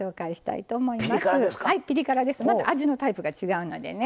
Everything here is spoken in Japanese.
また味のタイプが違うのでね。